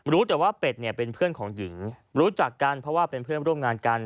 รู้แต่ว่าเป็ดเนี่ยเป็นเพื่อนของหญิงรู้จักกันเพราะว่าเป็นเพื่อนร่วมงานกัน